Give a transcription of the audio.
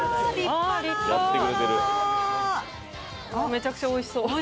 めちゃくちゃおいしそう。